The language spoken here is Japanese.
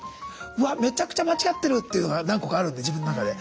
わっめちゃくちゃ間違ってるというのが何個かあるんで自分の中で。